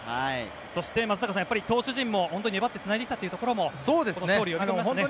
そして、松坂さん投手陣も粘ってつないできたというところも勝利を呼び込みましたね。